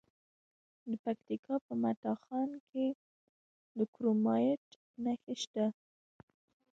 د پکتیکا په متا خان کې د کرومایټ نښې شته.